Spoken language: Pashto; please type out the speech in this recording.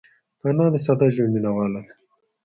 انا د ساده ژوند مینهواله ده